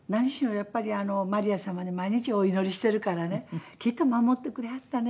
やっぱりマリア様に毎日お祈りしてるからね「きっと守ってくれはったね」